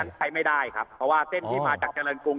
มันใช้ไม่ได้ครับเพราะว่าเส้นที่มาจากเจริญกรุง